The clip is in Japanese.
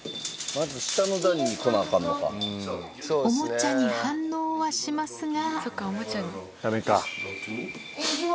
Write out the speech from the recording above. おもちゃに反応はしますが。